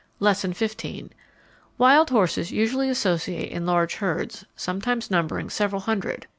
Lesson XV. Wild horses usually associate in large herds sometimes numbering several hundred.